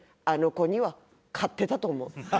あの子には勝ってたと思う。